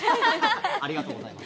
ありがとうございます。